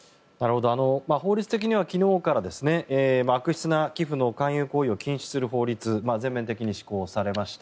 法律的には昨日から悪質な寄付の勧誘行為を禁止する法律全面的に施行されました。